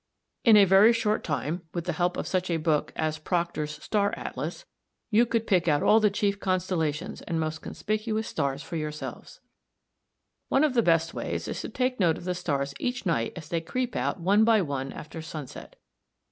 In a very short time, with the help of such a book as Proctor's Star Atlas; you could pick out all the chief constellations and most conspicuous stars for yourselves. One of the best ways is to take note of the stars each night as they creep out one by one after sunset.